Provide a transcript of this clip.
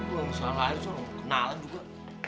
gue salah aja lo kenalan juga